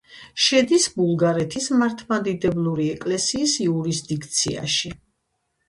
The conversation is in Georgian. შედის ბულგარეთის მართლმადიდებლური ეკლესიის იურისდიქციაში.